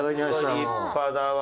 立派だわ！